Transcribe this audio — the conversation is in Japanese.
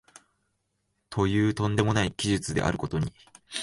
という飛んでもない奇術であることに、